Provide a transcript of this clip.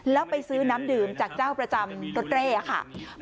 แล้วไปซื้อน้ำดื่มจากเจ้าประจำรถเร่ค่ะ